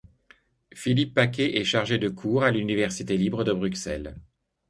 Philippe Paquet est chargé de cours à l'université libre de Bruxelles.